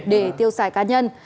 để tiêu xài cá nhân